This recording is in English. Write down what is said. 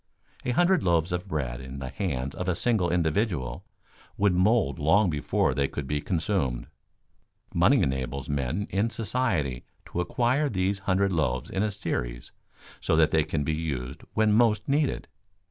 A hundred loaves of bread in the hands of a single individual would mold long before they could be consumed. Money enables men in society to acquire these hundred loaves in a series so that they can be used when most needed.